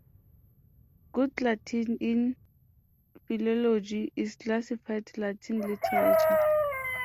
Good Latin in philology is "classical" Latin literature.